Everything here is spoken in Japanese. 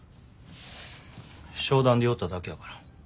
商談で寄っただけやから。